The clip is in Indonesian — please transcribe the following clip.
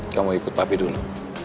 kamu ikut papi dulu